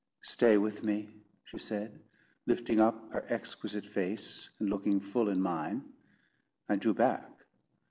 "Stay with me," she said, lifting up her exquisite face, and looking full in mine. I drew back.